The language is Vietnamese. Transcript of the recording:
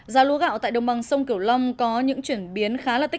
giá lúa gạo tại đồng bằng sông cửu long có những chuyện